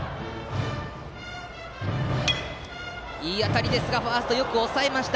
いい当たりですがファーストがよく押さえた。